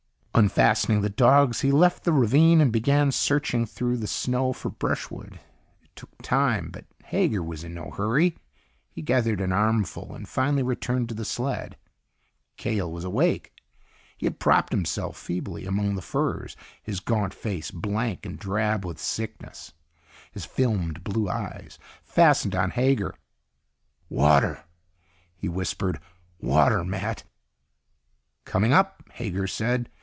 Unfastening the dogs, he left the ravine and began searching through the snow for brushwood. It took time, but Hager was in no hurry. He gathered an armful and finally returned to the sled. Cahill was awake. He had propped himself feebly among the furs, his gaunt face blank and drab with sickness. His filmed blue eyes fastened on Hager. "Water," he whispered. "Water, Matt." "Coming up," Hager said.